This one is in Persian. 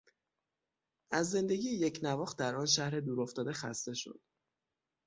از زندگی یکنواخت در آن شهر دورافتاده خسته شد.